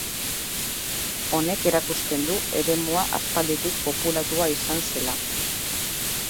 Honek erakusten du eremua aspalditik populatua izan zela.